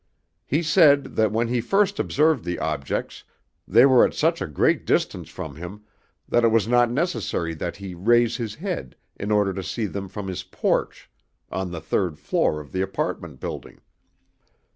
He said that when he first observed the objects they were at such a great distance from him that it was not necessary that he raise his head in order to see them from his porch on the third floor of the apartment building.